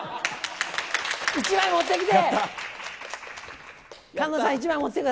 １枚持ってきて。